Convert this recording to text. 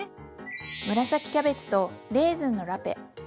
紫キャベツとレーズンのラペ。